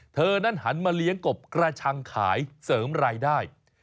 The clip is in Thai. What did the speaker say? เธอนั้นหันมาเลี้ยงกบกระชังขายเสริมรายได้